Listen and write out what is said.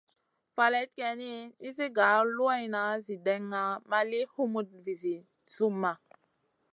Faleyd geyni, nizi gar luanʼna zi dena ma li humutna vizi zumma.